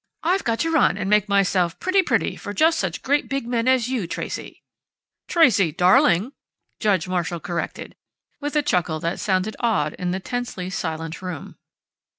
I've got to run and make myself 'pretty pretty' for just such great big men as you, Tracey " "'Tracey, darling'!" Judge Marshall corrected, with a chuckle that sounded odd in the tensely silent room.